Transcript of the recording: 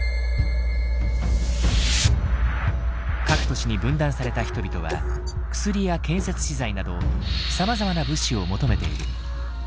各都市に分断された人々は薬や建設資材などさまざまな物資を求めている。